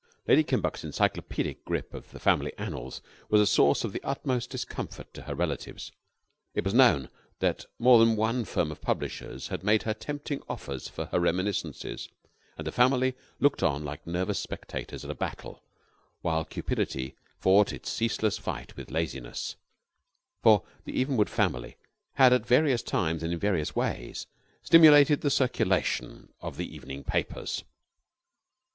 Lady Kimbuck's encyclopedic grip of the family annals was a source of the utmost discomfort to her relatives. It was known that more than one firm of publishers had made her tempting offers for her reminiscences, and the family looked on like nervous spectators at a battle while Cupidity fought its ceaseless fight with Laziness; for the Evenwood family had at various times and in various ways stimulated the circulation of the evening papers.